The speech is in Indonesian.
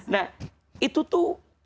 nah itu tuh